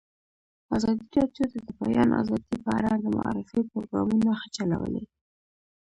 ازادي راډیو د د بیان آزادي په اړه د معارفې پروګرامونه چلولي.